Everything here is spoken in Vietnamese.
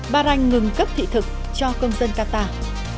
ba ranh ngừng cấp thị thực cho công dân qatar